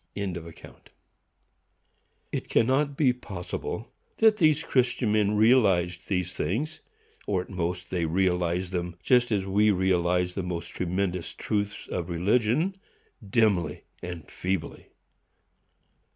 It cannot be possible that these Christian men realized these things, or, at most, they realized them just as we realize the most tremendous truths of religion, dimly and feebly.